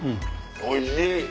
おいしい。